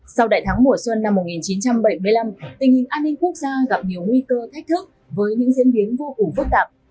sau đại thắng mùa xuân năm một nghìn chín trăm bảy mươi năm tình hình an ninh quốc gia gặp nhiều nguy cơ thách thức với những diễn biến vô cùng phức tạp